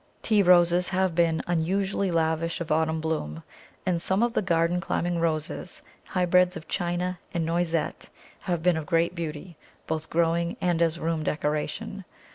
Tea Roses have been unusually lavish of autumn bloom, and some of the garden climbing Roses, hybrids of China and Noisette, have been of great beauty, both growing and as room decoration.